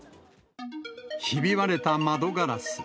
ひび割れた窓ガラス。